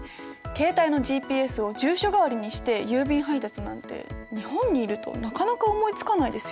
携帯のＧＰＳを住所代わりにして郵便配達なんて日本にいるとなかなか思いつかないですよね。